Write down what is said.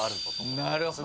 なるほど。